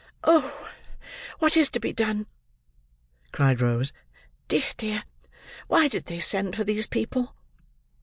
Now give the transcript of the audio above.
"Oh! what is to be done?" cried Rose. "Dear, dear! why did they send for these people?"